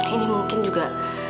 ini mungkin juga